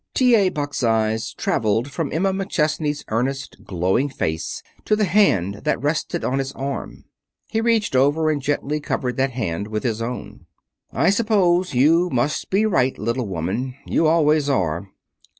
T. A. Buck's eyes traveled from Emma McChesney's earnest, glowing face to the hand that rested on his arm. He reached over and gently covered that hand with his own. "I suppose you must be right, little woman. You always are.